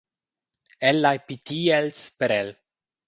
El lai pitir els per el.